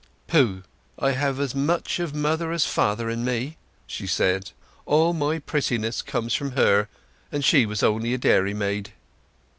"Pooh—I have as much of mother as father in me!" she said. "All my prettiness comes from her, and she was only a dairymaid."